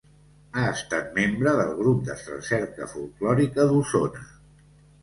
Ha estat membre del Grup de Recerca Folklòrica d'Osona.